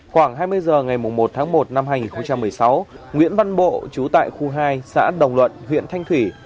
khoảng hai mươi h ngày một tháng một năm hai nghìn một mươi sáu nguyễn văn bộ trú tại khu hai xã đồng luận huyện thanh thủy